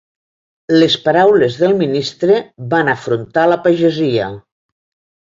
Les paraules del ministre van afrontar la pagesia.